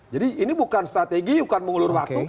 jadi ini bukan strategi bukan mengulur waktu